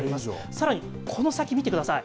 さらにこの先見てください。